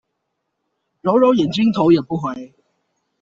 揉揉眼睛頭也不回